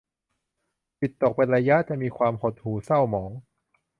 จิตตกอีกเป็นระยะ จะมีความหดหู่เศร้าหมอง